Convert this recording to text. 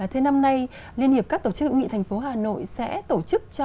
thế năm nay liên hiệp các tổ chức hữu nghị thành phố hà nội sẽ tổ chức cho